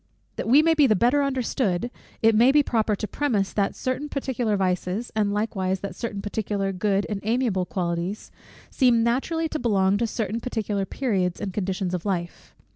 That we may be the better understood, it may be proper to premise, that certain particular vices, and likewise that certain particular good and amiable qualities, seem naturally to belong to certain particular periods and conditions of life.